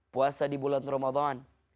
puasa di bulan ramadan